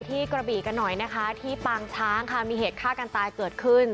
กระบีกันหน่อยนะคะที่ปางช้างค่ะมีเหตุฆ่ากันตายเกิดขึ้น